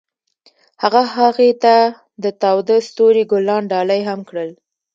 هغه هغې ته د تاوده ستوري ګلان ډالۍ هم کړل.